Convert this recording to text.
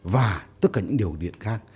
và tất cả những điều điện khác